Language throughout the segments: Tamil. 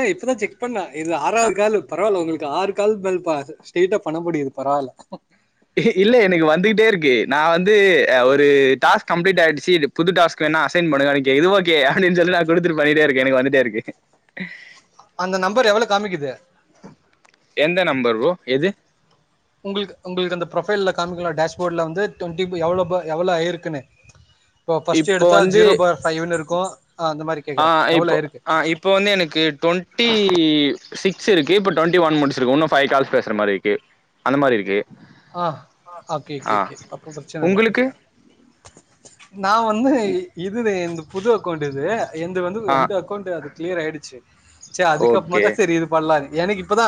ஆ இப்பதா செக் பண்ண இதுல அ ஆறாவது காலு பரவால்ல உங்களுக்கு ஆறு கால் பல்ப்பா ஸ்ட்ரெயிட்டா பண்ண முடிது பரவால்ல இல்ல எனக்கு வந்துகிட்டே இருக்கு நா வந்து ஒரு டாஸ்க் கம்ப்ளீட் ஆயிடுச்சு புது டாஸ்க் வேணா அசைன் பண்ணுதானு கேக்குது இது ஓகே அப்டின்னு சொல்லி நா குடுத்துட்டு பண்ணிட்டே இருக்க எனக்கு வந்துட்டே இருக்கு அந்த நம்பர் எவ்ளவு காமிக்கிது எந்த நம்பர் ப்ரோ எது உங்களுக்கு உங்களுக்கு அந்த ப்ரொஃபைல்ல காண்பிக்குல்ல டேஷ்போர்டுல வந்து டுவென்டி பை எவ்ளோ எவ்ளோ ஆயிருக்குன்னு இப்போ ஃபர்ஸ்ட் எடுத்தா ஜீரோ பார் ஃபைவ்னு இருக்கு ஆ இப்போ ஆ இப்போ வந்து எனக்கு டுவென்டி சிக்ஸ் இருக்கு இப்ப டுவெண்டி ஒன் முடிச்சிருக்கு இன்னு ஃபைவ் கால்ஸ் பேசற மாரி இருக்கு அந்த மாரி இருக்கு ஆ ஓகே ஓகே ஆ ஓகே அப்போ பிரச்சனை இல்லை உங்களுக்கு நா வந்து இது இந்த புது அக்கௌண்ட் இது எந்து வந்து ஆ ரெண்டு அக்கௌண்ட் அது கிளியர் ஆயிடுச்சு சேரி ஓகே அதுக்கப்புறமாதா சேரி இது பண்லான்னு எனக்கு இப்பதா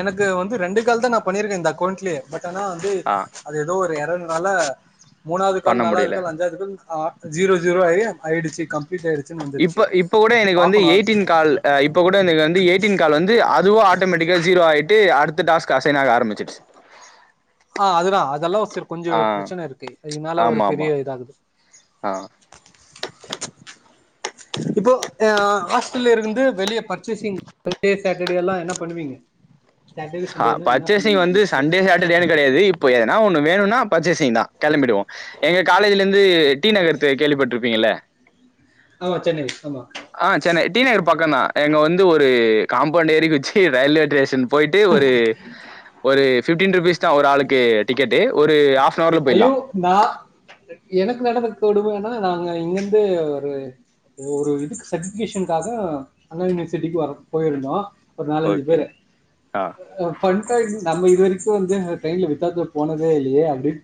எனக்கு வந்து ரெண்டு கால்தா நா பண்ணியிருக்கேன் இந்த அக்கவுண்ட்லயே பட் இத்தனா வந்து ஆ அது எதோ ஒரு எரர்னால மூணாவது பண்ண கால் நாலாவது முடியல. கால் அஞ்சாவது கால் ஆ ஜீரோ ஜீரோ ஆயி ஆயிடுச்சு கம் இப்ப இப்ப கூட எனக்கு வந்து அது எய்ட்டீன் கால் இப்ப கூட எனக்கு வந்து எய்ட்டீன் கால் வந்து அ துவா ஆட்டோமேட்டிக்கா ஜீரோ ஆயிட்டு அடுத்த டாஸ்க் அசைன் ஆக ஆரம்பிச்சிருச்சு ஆ அதுதா அதெல்லா கொஞ்சொ ப்ரச்சன இருக்கு அதினால ஒரு ஆமாமா. பெரிய இதாகுது ஆ இப்போ ஆ ஹாஸ்டல்ல இருந்து வெளிய பர்சஸ்சிங் [inaudible] டே சாட்டடே எல்லா என்ன பண்ணுவீங்க சாட்டர்டே ச சண்டேனா என்ன பர்சேஸிங் பண்ணுவீங்க வந்து மோஸ்ட்லி சண்டே சாட்டடேனு கடையாது இப்போ எதனா ஒண்ணு வேணுனா பர்சஸ்சிங்தா கெளம்பிடுவோ எங்க காலேஜ்லேந்து டி நகர் த கேள்விப்பட்ருப்பீங்கல்ல ஆமா சென்னை ஆமா பக்கந்தா எங்க வந்து ஒரு காம்பௌண்ட் ஏறி குத்ச்சி ரயில்வே டேஷன் போ டு ஒரு ஒரு ஃபிப்டீன் ருப்பீஸ்தா ஒரு ஆளுக்கு டிக்கெட்டு ஒரு ஆஃப் ஐயோ நா எனக்கு நடந்த கொடுமனா நாங்க இங்கேர்ந்து ஒரு ஒரு இதுக்கு சட்டிஃபிகேஷனுக்காக அண்ணா யூனிவர்சிட்டிக்கு வர போயிருந்தோ ஒரு நாலஞ்சு ஓகே. பேரு ஆ. அ ஃபன் தா நம்ம இது வரிக்கு வந்து ட்ரெயின்ல வித்தௌட்ல போனதே இல்லையே அப்டின்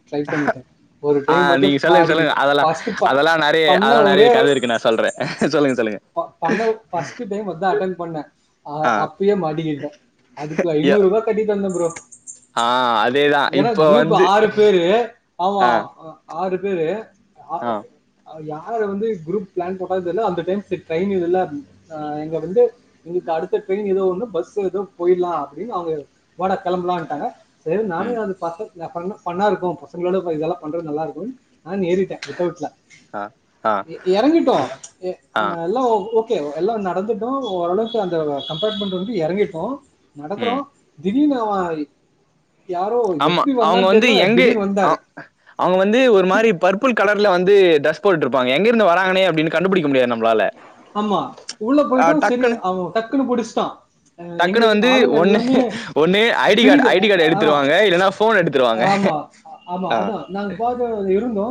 ஆ நீங்க சொல்லுங்க சொல்லுங்க மாடிக்கிட்டேன் அதெல்லா ஃபஸ்ட்டு ப அதெல்லா நறைய பண்ண அதெல்லா ஒரே நறைய ஒரு கத இருக்கு நா சொல் ற சொல்லுங்க சொல்லுங்க ப பண்ண ஃபஸ்ட்டு டைம் அதா அட்டண் பண்ண அ ஆ அப்பையே மாட்டிக்கிட்ட அதுக்கு ய ஐநூறுவா கட்டிட்டு வந்தம் ப்ரோ ஆ அதேதா ஏனா இப்போ க்ரூப் வந்து ஆறு பேரு ஆமா ஆ அ ஆறு பேரு ஆ அவ யார வந்து க்ரூப் ப்ளான் போட்டான் தெர்ல அந்த டைம் சி ட்ரெயின் [unintelligible] ஆ எங்க வந்து அடுத்த ட்ரெயின் ஏதோ ஒன்னு பஸ்ஸு ஏதோ போயில்லா அப்டினு அவங்க வாடா கெளம்பலான்ட்டாங்க சேர்னு நானு ம் அது பசங்க ஃபன்னு ஃபன்னா இருக்கு பசங்ளோட ப இதெல்லா பண்றக் நல்லா இருக்கூன் நான் ஏறிட்ட வித்தௌட்ல ஆ ஆ எ எறங்கிட்டோ எ ஆ எல்லா ஒ ஓ டு எல்லா நடந்துட்டோ ஓரளவுக்கு அந்த கம்பார்ட்மண்ட்ட உட்டு எறங்கிட்டோ நடக்குறோ ம் தி டீனு அவ யாரோ எப்டி வந்தான் தெர்ல திடீனு வந்தா அவ்ங்க வந்து ஒரு மாரி பர்ப்புள் கலர்ல வந்து ட்ரெஸ் போட்டுட்ருப்பாங்க எங்கேருந்து வராங்கனே அப்டினு கண்டுப்புடிக்க முடியாது நம் ஆமா உள்ள போயிட்டோ செரி டக்குன்னு அவ டக்குனு புடிஷ்ட்டா ஆ எங்க டக்குன்னு வந்து ஆளுங்க ஒன்னு எல்லாமே ஒன்னு ஐடி கார்டு பிரிது ஐடி கார்டு ஆ எடுத்துருவாங்க இல்லன்னா ஃபோன் எடுத்துருவாங்க ஆமா ஆமா ஆ அதா நாங் பாக்றோ அத இருந் தோ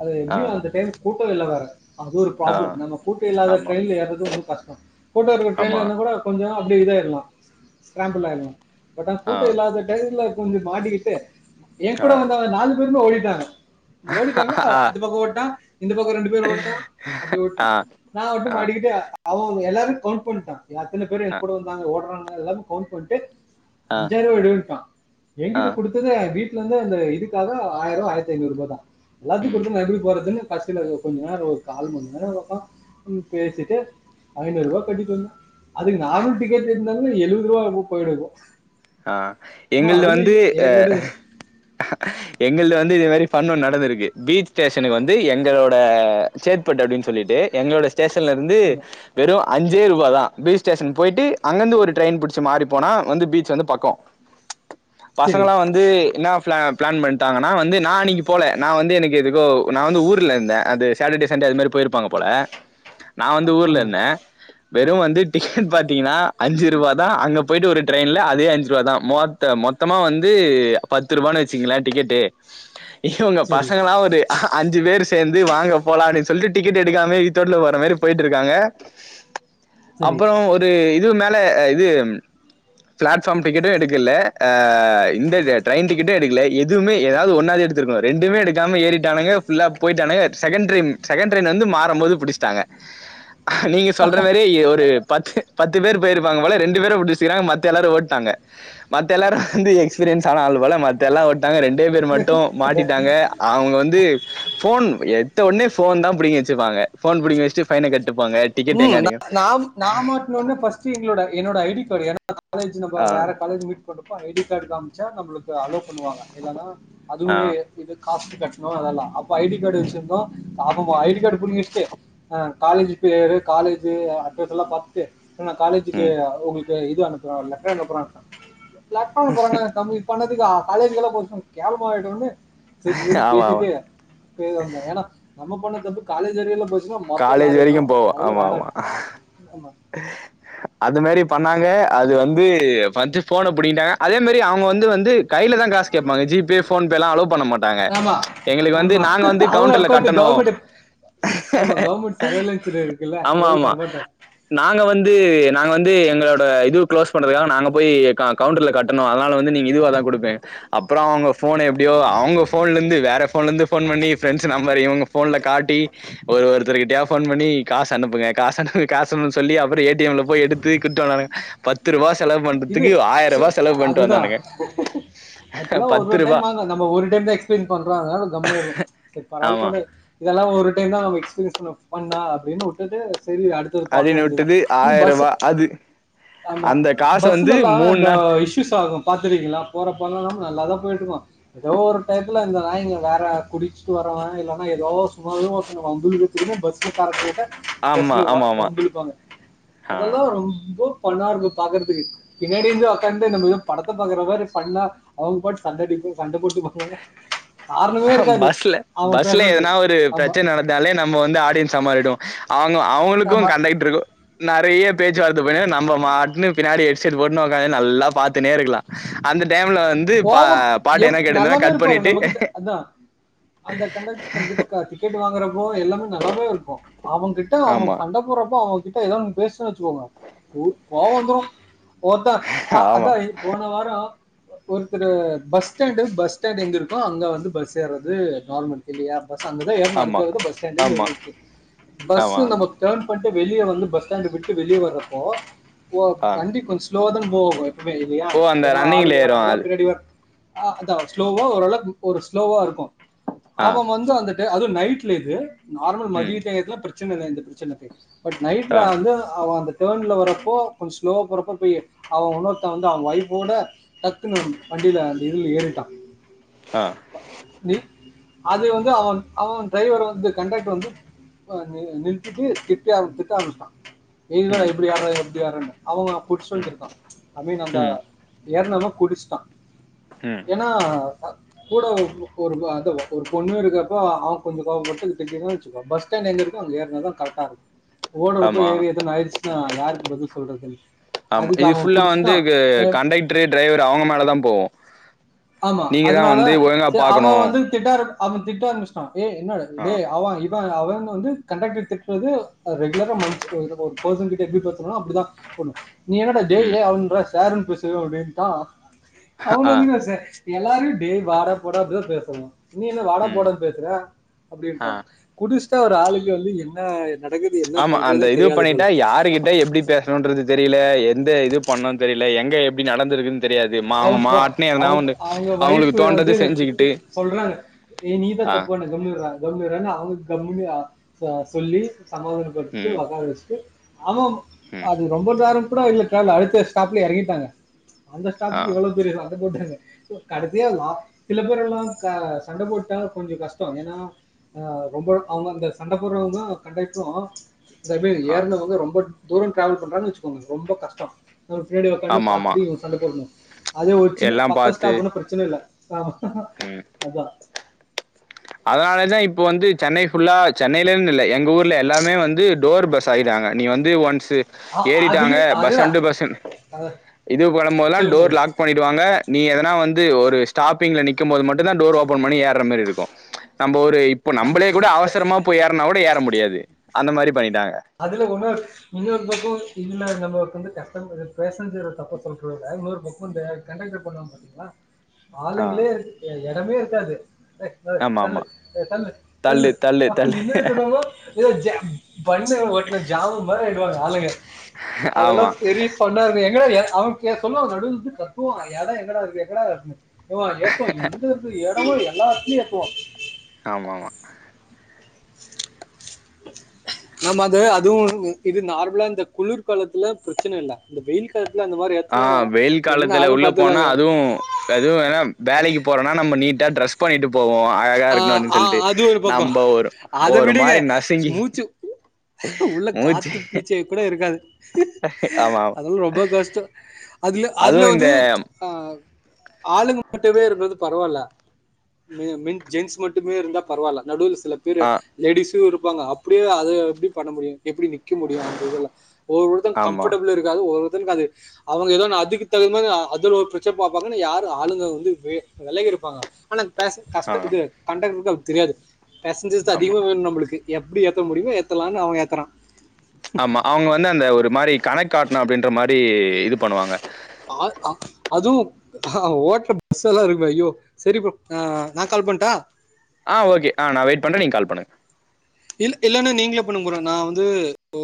அது ஆ எப்டியு அந்த டைம் கூட்டொ இல்ல வேற அது ஒரு ஆ ப்ராப்ளம் நம்ம ட்டொ இல்லாத ஆமா ட்ரெயின்ல ஏர்றது உன்னு கஸ்ட்டொ கூட்டொ இருக்குற ஆமா ட்ரயின்லர்ந்தா கூட கொஞ் சொ அப்டியே இதாய்ர்லா ஸ் ஸ்க்ராம்புல் ஆயில்லா பட் அ ஆ கூட்டொ இல்லாத டைம்ல கொஞ்சொ மாட்டிக்கிட்டு ஆ ஏங்கூட வந்தவ ஆ நாலு பேருமே ஓடிட்டாங்க ஓடிட்டாங்கனா ஆ அது பக்கொ ஓட்டா இந்த பக்கொ ரெண்டு பேர் ஓட்டா அப்டி ஓட்டா ஆ நா மட்டு ஆ மாட்டிக்கிட்டு அவ எல்லாரைம் கௌண்ட் பண்ட்டா ய அத்தன பேரு ஏங்கூட வந்தாங்க ஓட்றா எல்லாமே கௌண்ட் பண்ட்டு ஆ அஞ்சாயிருவா எடுண்ட்டா ஆ ஏங்க்கிட்ட குடுத்ததே வீட் லேந்து அந்த இதுக்காக ஆய்ருவா ஆய்ரத்தைநூறுவா தா எல்லாத்தையு ம் குடுத்துட்டு நா எப்டி போறதுன்னு பர்ஸுல இரு கொஞ்சொ நேரொ ஒரு கால் மண் நேரொ பக்கொ நின் பேசிட்டு ஐநூறுவா கட்டிட்டு வந்த அதுக்கு நார்மல் டிக்கெட் எட்த்துந்தாலே எழ்வதுருவா என்மோ பொய்டுக்கு ஆ எங்கள்து வந்து ஆ ஏகப்பட்டது எங்கள்து வந் து இது மாரி ஃபண்ணு நடந்துருக்கு பீச் ஸ்டேஷனுக்கு வந்து எங்களோட சேட்பட் அப்டினு சொல்லிட்டு எங்களோட ஸ் டேஷன்லேர்ந்து ஆமா வெறு அஞ்சே ருவாதா பீச் ஸ்டேஷன் போயிட்டு அங்கந்து ஒரு ட்ரயின் புடிச்ச மாறி போனா வந்து பீச் வந்து பக்கொ சரி பசங்களா வந்து என்னா ஃப்ளா ப்ளான் பண்ட்டாங்கனா வந்து நா அன்னக்கி போல நா வந்து எனக்கு எதுக்கோ நா வந்து ஊர்ல இருந்த அது சேட்டட்டே சண்டே அது மாரி போ பொய்ருப்பாங்க போல நா வந்து ஊர்ல ஆமா இர்ந்த வெறு வந்து டிக்கெட் பாத்தீங்கனா அஞ்சிருவா தா அங்க போயிட்டு ஒரு ட்ரயின்ல அதே அ ஞ்ச்ருவா தா மோத்தம் மொத்தமா வந்து பத்ருவான்னு வச்சுங்களே டிக்கெட்டு இவுங்க சரி பசங்கல்லா ஒரு அஞ்சு பேரு சேந்து வாங்க போலான்னு சொல்லிட்டு டிக்கெட் எடுக்காமயே வித்தவுட்ல வர மாரி போயிட்ருக்காங்க சரி அப்பறோ ஒரு இது மேல இது பிளாட் ஃபார்ம் டிக்கெட்டு எடுக்கல்ல ஆ இந்த டிரெயின் டிக்கெட்டு எடுக்கல எதுவுமே ஏதாவது ஒன்னாவது எடுத்துருக்கணு ரெண்டு எதுவுமே எடுக்காம ஏறிட்டானுங்க ஃபுல்லா போயிட்டானுங்க செகண்ட் ட்ரெயின் செகண்ட் ட்ரெயின் வந்து மாறும் போது புடிச்சிட்டாங்க நீங்க சொல்ற மாரி ஒரு பத்து பத்து பேர் போயிருப்பாங்க போல ரெண்டு பேர புடிச்சக்கிறாங்க மத்த எல்லாரு ஒட் டாங்க மத்த எல்லாரு வந்து எக்ஸ்பீரியன்ஸ் ஆன ஆள் போல மத்த எல்லா ஓட் டாங்க ரெண்டே பேர் மட்டு மாட்டிட்டாங்க அவங்க வந்து போன் எத் எத்த ஒனே போன்தா புடிங்கி வச்சப்பாங்க போன் புடிங்கி வச்சுட்டு ஃபைன கட் ம் நா நா மாட்டன ஒன்னே பஸ்ட்டு எங்களோட என்னோட ஐ டி ஏன்னா காலேஜ் நம் ஆ வேற காலேஜ் மீட் பண்ணறோப்ப ஐ டி காடு காமிச்சா நம்மளுக்கு அலோ பண்ணுவாங்க இல்லன்னா ஆ அதுவே இதுக்கு காசு கட்டணு அதெல்லா அப்ப ஐ டி கார்டு வச்சிருந்தோ அவ ஐ டி கார்டு புடிங்கி வச்சட்டு அ காலேஜ் பேரு காலேஜ்ஜு அட்ரஸ்ல்லா பாத்துட்டு என்னடா காலேஜுக்கு ம் உங்க இத இது அனுப்புறாலெ லெட்டரு அனுப்புறா போயிருக்கியா காலேஜ்ஜுக்கலா போ கேவலமா ஆய்டும்ன்னனு சரி சரி ஆமா ஆமா பேசிட்டே [unintelligible] வந்தே ஏன்னா நம்ம பண்ண தப்ப காலேஜ் வரயில போய் ஃபுல்லா மொத்த காலேஜ் நாரிடு வரைக்கும் போவோம் ஆமா ஆமா ஆ அது மேரி பண்ணாங்க அது வந்து பஸ்ட்டு போன புடிங்கிட்டாங்க அதே மாரி அவங்க வந்து வந்து கையில தா காசு கேப்பாங்க த ஜி பே போன்பேல்லா அனுப பண்ண மாட்டாங்க ஆமா எங்களுக்கு வந்து ஆமா நாங்க வந்து அவங்க கவுண்டண்டர்ல அக்கௌண்ட் கட்டணு கவர்மெண்ட் ஆமா கவர்மெண்ட் சர்வேலன்ஸ்ல இருக்குல்ல ஆமா அதனால ஆமா தரமாட்டார் நாங்க வந்து நாங்க வந்து எங்க எங்களோட இது க்ளோஸ் பண்றதுக்காக நாங்க போய் க கவுண்டர்ல கட்டணு அதனால வந்து நீங்க இதுவாதா குடுப்பே அப்பற போன் எப்படியோ அவங்க போன்லருந்து வேற போன்லருந்து போன் பண்ணி ஃபிரண்ட்ஸ் நம்பர் இவங்க போன்ல காட்டி ஒரு ஒரு ஒருத்தர்கிட்டயா போன் பண்ணி காசு அனுப்புங்க காச அனு காசு அனுன்ன சொல்லி அப்புறம் ஏ டி எம்ல போய் எடுத்து குட்டு வந்தானுங்க பத்து ரூபா செலவு இது பண்றதுக்கு ஆயிரூபா செலவு பண்ணிட்டு வந்தானுங்க அதெல்லா ஒரு பத்து ஒரு ரூபா டைம் ஆக நம்ம ஒரு டைம் தா எக்ஸ்பிளைன் பண்றோ அதனால கம்முனு இருக்கோ சரி பரவால ஆமா பண்ணு இதெல்லா ஒரு டைம் தா நம்ம எக்ஸ்பீரியன்ஸ் பண்ணா அப்படின்னு விட்டது சரி அடுத்தது பாக்க அப்டின்னு வேண்டியதுதா விட்டது இந்த பஸ்சு ஆயரூபா அது ஆமா அந்த காசு வந்து பஸ்லல்லா மூணு இந்த நாள் இஷூஸ் ஆகு பாத்துக்கீங்களா போற போல நல்லாதா போயிடுவா ஏதோ ஒரு டைத்துல இந்த நாய்ங்க வேற குடிச்சுட்டு வரவ இல்லன்னா ஏதோ சுமாவே ஒருத்த வம்பு இழுக்கிறதுக்குனே பஸ்ல கரெக்டா ஆமா பஸ்ல வ ஆமா ஆமா வம்பிலுப்பாங்க ஆ அதெல்லா ரொம்ப பணாங்க பாக்குறது க்கு பின்னாடிந்து உக்காந்து நம்மளா படத்த பாக்கற மாரி பண்ணா அவங்கபாட் சண்டடி சண்டை போட்டுபாங்க [inaudible] அ பஸ்ல பஸ்ல எதனா ஒரு ஆமா, பிரச்சனை நடந்தாலே நம்ம வந்து ஆடியன்சா மாறிடுவோ அவங்க அவங்களுக்கு ஆமா. கண்டர்க்கு இருக்கு நெறைய பேச்சுவார்த்த து பின்னாடி நம்ம அட்மின் பின்னாடி ஹெட்ஸ்செட் போட்டு நல்லா பாத்துனே இருக்கலா அந்த டைம்ல வந்து பா கோவம் பாட்டு எப் எதனா கேட்டுட்ருந்தனா நல்லாவே கட் இருப்பாரு பண்ணிட்டு நம்மகிட்ட. அந்த கண்டக்டர் நம்ம கிட்ட டிக்கெட் வாங்கறப்போ எல்லாமே நல்லாவே இருக்கு அவங்ககிட்ட அவங்க ஆமா சண்ட போறப்ப அவங்ககிட்ட ஏதா ஒன்னு பேசுன்னு வச்சுக்கோங்க ! ! ! ! ! ! ! ! ! ! ஆமா ஒருத்தரு பஸ் ஸ்டாண்டு பஸ் ஸ்டாண்ட் எங்க இருக்கோ அங்க வந்து பஸ் ஏர்றது நார்மல் இருக்கு இல்லையா பஸ் அங்கதா ஏறணு ஆமா அதுக்காக தா பஸ் ஸ்டாண்ட் எழுதி ஆமா வச்சிருக்கு பஸ் ஆமா நம்ம டான் பந்துட்டு வெளியே வந்து பஸ் ஸ்டாண்ட விட்டு வெளியே வரறப்போ ஆ வண்டி கொஞ்ச ஸ்லோவாதா போகு எதுமே இல்லையா ஓ அந்த ஏன்னா ரன்னிங்ல ஆளுங்க ஏறு வராங்களா அது ஆ அதா ஸ்லோவா ஓரளவுக்கு ஒரு ஸ்லோவா இருக்கு ஆ அவ வந்து அந்துட்டு அது நைட் ல இது நார்மல் மதிய ம் தேங்கதுல பிரச்சனை இந்த பிரச்சனை பட் நைட்ல ஆ வந்து அவ அந்த டர்ன்ல வரறப்போ கொஞ்ச ஸ்லோவா போறப்போ போய் அவ இன்னொருத்த வந்து அவ வைஃபோட டக் க்குன்னு வண்டியில அந்த இதுல ஏறிட்டா ஆ அது வந்து அவன் அவ டிரைவர் வந்து கண்ரெட்ரு வந்து ப்பா நி நிறுத்திட்டு திட்டே ஆரம் திட்ட ஆரம்பிச்சிட்டா எல்லா ம் எப்டி ஆட்றா எப்டி ஆட்றான்னு அவங்க புச்சு ம் வந்துருக்கா ஐ மீன் அந்த ம் ஏர்னவே குடிச்ட்டா ம் ஏனா அ கூட ஓ ஒரு அத ஒரு பொண்ணு இருக்கப்ப அவ கொஞ்ச கோவப்பட்டு திட்டுனா வச்சுக்கோ பஸ்டா ன்டு எங்க இருக்கோ அங்க ஏர்னா கரக்டாருக்கு ஓடுறப் ஆமா போயி எதுனா ஆயிடுச்சுன்னா யாருக்கு பதில் சொல்றது ஆமா இது ஃபுல்லா வந்து க கண்டெக்ட்ரு டிரைவர்ரு அவங்க மேலதா போவு ஆமா நீங்க தா அதனால வந்து ஒழுங்கா சே பாக்கணு அவன் வந்து திட்டாரம் அவன் திட்ட ஆரம்பிச்ட்டா ஏ என்னட ஆ டே அவ அவ வந்து கண்டெக்ட்ர திட்ரது ஆ ரெகுலரா மன்ச் ஒரு ஒரு பர்சன் கிட்ட எப்டி பேசுறனோ அப்டித்தா போட்ணு நீ என்னட டேய் ம் [unintelligible] ஆ உ ன்ற சார்னு பேசு அப்டி ன்ட்டா அவன ஆ எதுக்குடா சா எல்லாரியு டேய் வாடா போடா அப்டிதா பேசறோ நீ என்ன வாடா ம் போடன் பேசுற ஆ அப்டின்றா குடிச்ட்டா ஒரு ஆளுக்கு வந்து என்ன நடக்குது என்ன ஆமா அந்த பண்றதே இது தெரியாது போல பண்ணிட்டா யாருகிட்ட எப்டி பேசணுன்றது தெரில இந்த இது பண்ணு தெரில எங்க எப்டி நடந்துருக்குன் தெரியாது மா அவன் அவங்க பொ மாட்ன எவனா அவன் உண்டு அவங்க ஒய்ஃப் அவுங்குளுக் தோன்டது செஞ்சுக்கிட்டு ஏ நீதா ஆ தப்பு பண்ண கம்மு இர்றா கம்மு இர்றானா அவங்க கம்முனு ச சொல்லி சமாதானப்படுத்திட்டு ம் வக்கார வச்சுட்டு அவே ம் அது ரொம்ப தேர [unintelligible] இல்ல அடுத்த ஸ்டாப்லே எறங்கிட்டாங்க அந்த ஆ ஸ்டாப்க்கு இவ்ளோ பெரிய சண்ட போட்டாங்க கடைசியா லா சில பேர் எல்லா க சண்ட போட்டா கொஞ்சோ கஷ்டோ ஏனா ஆ ரொம்ப அவுங்க அந்த சண்ட போர்றவங்க கண்டெக்ட்ரு இந்தமேரி ஆ ஏர்னவங்க ரொம்ப தூரோ ட்ராவல் பண்றாங்கன் வச்சுக்கோங்க ரொம்ப கஷ்டோ அவரு பின்னாடி உக்காந்து ஆமா ஆமா பாத்துட்டு இவங் சண்ட போடுணு அதே ஒரு சின்ன எல்லா பக்க பாத்து ஸ்டாப்ன்னா பிரச்சன இல்ல ஆமா அதா அதனாலே தா இப்போ வந்து சென்னை ஃபுல்லா சென்னைலன்னு இல்ல எங்க ஊர்ல எல்லாமே வந்து டோர் பஸ் ஆகிட்டா ங்க நீ வந்து ஒன்ஸ் இது அ ஏறிட்டாங்க அதுலயும் பஸ் அதுதான். அண்டு பஸ் அ இது போடபோதெல்லா சொல்லுங்க, டோர் சொல்லுங்க. லாக் பண்ணிடுவாங்க நீ எதனா வந்து ஒரு ஸ்டாப்பிங்ல நிக்கும் போது மட்டு தா டோர் ஓப்பன் பண்ணி ஏர்ற மாரி இருக்கு நம்ப ஒரு டே இப்ப அ நம்பளே கூட அவசரமா போய் ஏர்னா கூட ஏற முடியாது அந்த மாரி பண்ணிட்டாங்க. அதுல ஒன்னு இன்னொரு பக்கோ இல்ல நம்ம ஒருத்த வந்து கஸ்டமரு பேசஞ்சர தப்ப சொல் [unintelligible] இன்னொரு பக்கோ இந்த கண்டெக்ட்ரு பண்ணுவாங் பாத்தீங்ளா ஆ ஆளுங்ளே ஏ எடமே இருக்காது ஏ ஏ தள்ளு ஆமாமா. ஏ தள்ளு தள்ளு [unintelligible] பன்னுல ஓட்ன ஜாமு மாரி ஆயிடுவாங்க ஆளுங்க அதெல்லா ஆமா. பெரிய ஃபன்னாக்கு எங்கடா இருக்கு ஏ அவன் கே சொல்லுவா நடுவுல வந்து கத்துவா எடோ எங்கடா இருக்கு எங்கடா இருக்குனு த்துவா ‌ஏத்துவா எங்கருந்து எடமோ எல்லா எடத்துலயு ஏத்துவா ஆமா ஆமா நம்ம அத அதுவு இது நார்மலா இந்த குளிர்காலத்துல பிரச்சன இல்ல இந்த வெயில் காலத் ஆ வெயில் காலத்துல உள்ள போனா பாத்துக்கோங்க. அதுவு அதுவு ஏனா வேலைக்கு போறோனா நம்ப நீட்டா டிரே ரஸ் பண்ணிட்டு போவோம். அழகா ஆ இருக்கணும் அப்டின்னு ஆ சொல்ட்டு. அது ஒரு பக்கோ நம்ப ஒரு அத ஒரு விடுங்க மாரி நசுங்கி மூச்சி உள்ள மூச்சு காத்து பீச்சே கூட இருக்காது ஆமா. ஆமா. அதெல்லா ரொம்போ கஷ்டோ அதுல அதுல அதுவும் இந்த வந்து ஆ ஆளுங்க மட்டுமே இருந்தத பரவால மே மென் ஜென்ஸ் மட்டுமே இருந்தா பரவால நடுல சில பேரு ஆ லேடிஸு இருப்பாங்க அப்டே அத எப்டி பண்ண முடியு எப்டி நிக்க முடியு அந்த இதுல ஒரு ஒரு எடத்துல ஆமா. கம்ஃபட்டபுல் இருக்காது ஒரு துன்காது அவங்க எதோ நா அதுக்கு தகு மாரி ஆ அதுல ஒரு பிரச்சன பாப்பாங்கனு யாரு ஆளுங்க வந்து வே வெலகி குப்பாங்க ஆனா பேச ஆ. தக்குதே கண்டக்டருக்கு தெரியாது பேசஞ்சர்ஸ் ஆமா அதிகமா வேணு நம்புளுக்கு எப்டி ஏத்த முடியுமோ ஏத்தலாம்னு அவெ ஏத்துறான் ஆமா அவுங்க வந்து அந்த ஒரு மாரி கணக்காட்ணம் அப்டின்ற மாரி இது பண்ணுவாங்க அ அ அதுவு ஓட்ற பஸ் எல்லா இருக்குமே ஐயோ சரி ப்ரோ அ நா கால் பண்ட்டா ஆ ஓகே அ நா வெயிட் பண்றே நீங் கால் பண்ணுங்க இல்ல இல்லனா நீங்ளே பண்ணுங்க ப்ரோ நா வந்து இப்போ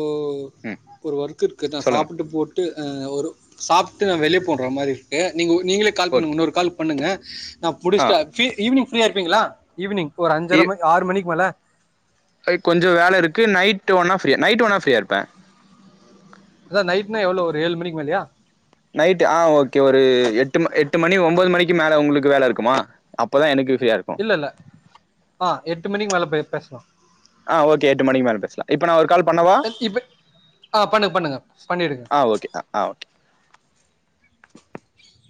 ம். ஒரு ஒர்க் இருக்கு நா சொல்லுங்க. சாப்பிட்டு போட்டு அ ஒரு சாப்ட்டு வெளிய போட்ற மாரி இருக்கு நீங்க உ நீங்களே கால் பண்ணுங்க ஓகே. இன்னொரு கால் பண்ணுங்க நா ஆ புடிச்ட்டாச்சி ஈவினங் ஃப்ரீயா இருப்பீங்களா ஈவினங் ஒரு அஞ்சர ம ஆறு மணிக் மேல கொஞ்ஜோ வேல இருக்கு நைட்டு வேனா ஃப்ரீயா நைட்டு வேனா ஃப்ரீயா இருப்பே அதா நைட்னா எவ்ளோ ஒரு ஏழு மணிக்கு மேலயா நைட் ஆ ஓகே ஒரு எட்டு ம எட்டு மணி ஒம்பொது மணிக்கு மேல உங்குளுக்கு வேல இருக்குமா அப்பதா எனக்கு ஃப்ரீயா இருக்கும். இல்ல இல்ல அ எட்டு மணிக்கு மேல பே பேசலா அ ஓகே எட்டு மணிக்கு மேல பேசலா இப்ப நா ஒரு கால் பண்ணவா இப்ப ஆ பண்ணுங்க பண்ணுங்க பண்ணிடுங்க அ ஓகே அ அ ஓகே